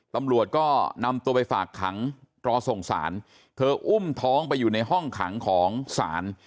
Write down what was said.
ตำรวจก็นำตัวไปฝากขังรอส่งสารเธออุ้มท้องไปอยู่ในห้องขังของศาล